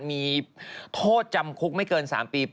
มีโทษจำคุกไม่เกิน๓ปี